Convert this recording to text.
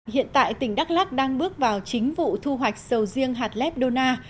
hiện tại tỉnh đắk lắk đang bước vào chính vụ thu hoạch sầu riêng hạt lép đô na